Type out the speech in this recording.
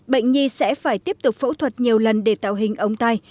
bệnh nhi sẽ phải tiếp tục phẫu thuật nhiều lần để tạo hình ống tay